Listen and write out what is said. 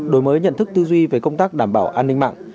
đổi mới nhận thức tư duy về công tác đảm bảo an ninh mạng